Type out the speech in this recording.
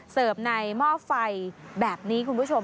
เสิร์ฟในหม้อไฟแบบนี้คุณผู้ชม